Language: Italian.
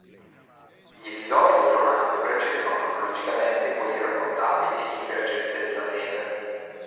Gli episodi del romanzo precedono cronologicamente quelli raccontati ne "Il sergente nella neve".